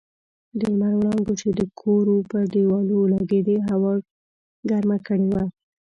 د لمر وړانګو چې د کورو پر دېوالو لګېدې هوا ګرمه کړې وه.